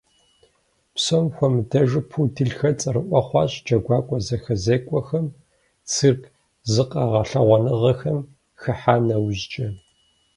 Псом хуэмыдэжу пуделхэр цӏэрыӏуэ хъуащ джэгуакӏуэ зэхэзекӏуэхэм, цирк зыкъэгъэлъагъуэныгъэхэм хыхьа нэужькӏэ.